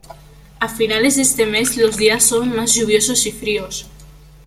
A finales de este mes los días son más lluviosos y fríos.